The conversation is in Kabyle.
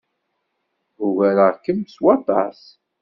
Ugareɣ-kem s waṭas.